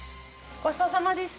ごちそうさまでした。